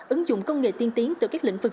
ứng dụng công nghệ tiên tiến từ các lĩnh vực